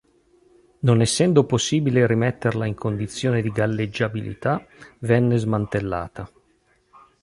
Non essendo possibile rimetterla in condizione di galleggiabilità venne smantellata.